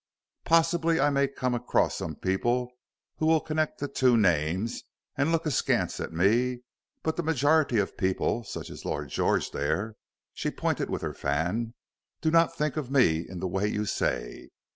Possibly I may come across some people who will connect the two names, and look askance at me, but the majority of people such as Lord George there," she pointed with her fan, "do not think of me in the way you say.